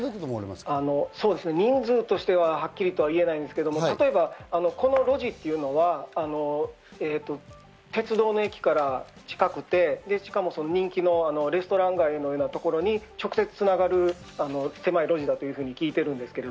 人数としてははっきりとは言えないんですが、例えばこの路地は鉄道の駅から近くて、人気のレストラン街のようなところに直接繋がる手前路地だと聞いています。